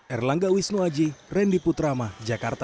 erlangga wisnuaji randy putrama jakarta